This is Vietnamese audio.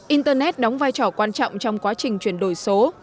internet đóng vai trò quan trọng trong quá trình chuyển đổi số